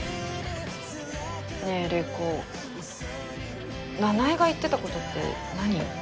ねえ玲子奈々江が言ってた事って何？